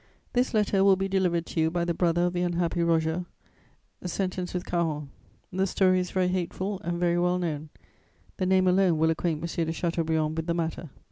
This letter will be delivered to you by the brother of the unhappy Roger, sentenced with Caron. The story is very hateful and very well known. The name alone will acquaint M. de Chateaubriand with the matter.